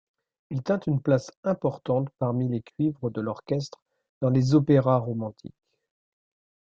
Il tint une place importante parmi les cuivres de l'orchestre dans les opéras romantiques.